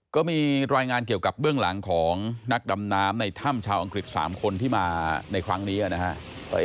ก็มีรายงานเกี่ยวกับเบื้องหลังของนักดำน้ำในถ้ำชาวอังกฤษ๓คนที่มาในครั้งนี้นะครับ